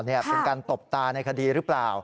เป็นการตบตาในคดีหรือเปล่า